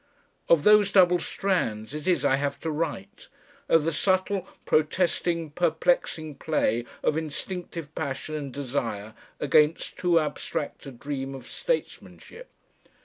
Of those double strands it is I have to write, of the subtle protesting perplexing play of instinctive passion and desire against too abstract a dream of statesmanship.